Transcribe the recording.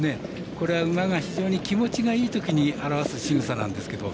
これは馬が非常に気持ちがいいときに表すしぐさなんですけど